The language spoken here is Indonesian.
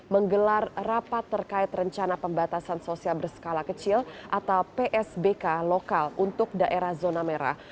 menggelar rapat terkait rencana pembatasan sosial berskala kecil atau psbk lokal untuk daerah zona merah